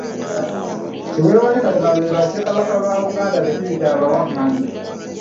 Kiweewa ne Kalema be bassekabaka ba Buganda be tuyita abawangami.